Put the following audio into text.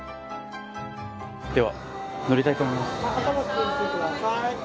では、乗りたいと思います。